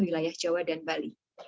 wilayah jawa dan bali